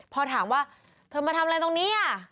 พอถามว่าเธอมาทำอะไรตรงนี้